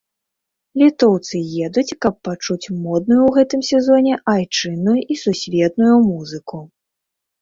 Літоўцы едуць, каб пачуць модную ў гэтым сезоне айчынную і сусветную музыку.